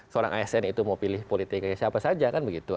seorang asn itu mau pilih politik kayak siapa saja kan begitu